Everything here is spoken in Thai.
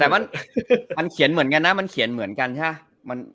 แต่ว่ามันเขียนเหมือนกันนะมันเขียนเหมือนกันใช่ไหม